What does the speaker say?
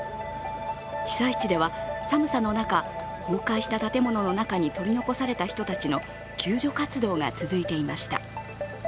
被災地では寒さの中、崩壊した建物の中に取り残された人たちの救助活動が続いていました。